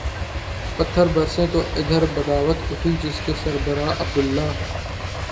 پتھر برسیں تو ادھر بغاوت اٹھی جس کے سربراہ عبداللہ